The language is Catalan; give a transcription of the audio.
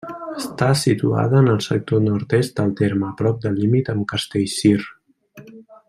Està situada en el sector nord-est del terme, a prop del límit amb Castellcir.